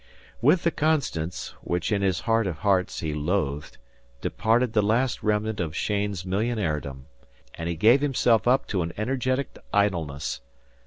With the "Constance," which in his heart of hearts he loathed, departed the last remnant of Cheyne's millionairedom, and he gave himself up to an energetic idleness.